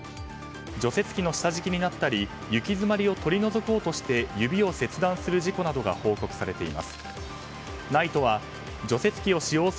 除雪機の下敷きになったり雪詰まりを取り除こうとして指を切断する事故などが報告されています。